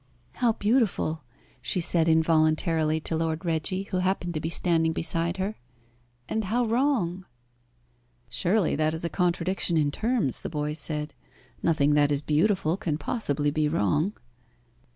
"How beautiful," she said involuntarily to Lord Reggie, who happened to be standing beside her. "And how wrong!" "Surely that is a contradiction in terms," the boy said. "Nothing that is beautiful can possibly be wrong."